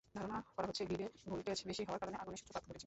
ধারণা করা হচ্ছে, গ্রিডে ভোল্টেজ বেশি হওয়ার কারণে আগুনের সূত্রপাত ঘটেছে।